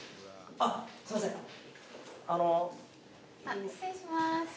あっ失礼します。